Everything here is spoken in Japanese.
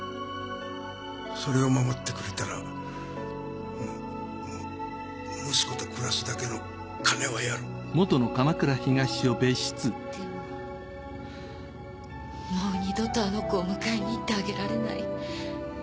それを守ってくれたら息子と暮らすだけの金をやるでももう二度とあの子を迎えにいってあげられない。